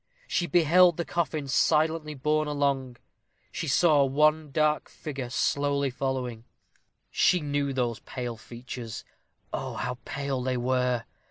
She beheld the coffin silently borne along; she saw one dark figure slowly following; she knew those pale features oh, how pale they were!